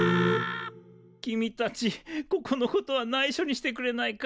君たちここのことはないしょにしてくれないか？